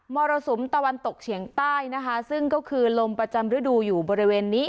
รสุมตะวันตกเฉียงใต้นะคะซึ่งก็คือลมประจำฤดูอยู่บริเวณนี้